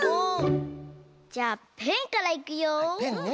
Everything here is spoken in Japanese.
じゃあペンからいくよ！